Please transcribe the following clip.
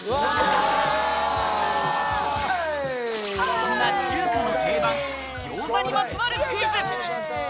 そんな中華の定番、餃子にまつわるクイズ。